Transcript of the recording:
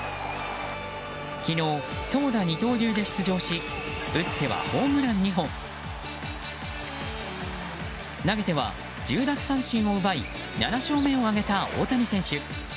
昨日、投打二刀流で出場し打ってはホームラン２本投げては１０奪三振を奪い７勝目を挙げた大谷選手。